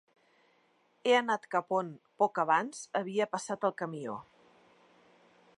He anat cap on, pocs abans, havia passat el camió.